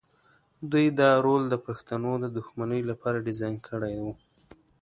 دوی دا رول د پښتنو د دښمنۍ لپاره ډیزاین کړی و.